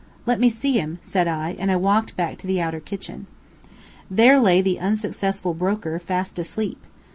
"Let me see him," said I, and I walked back to the outer kitchen. There lay the unsuccessful broker fast asleep.